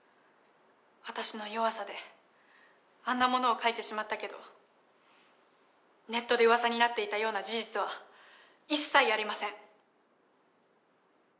私の弱さであんなものを書いてしまったけどネットでウワサになっていたような事実は一切ありません。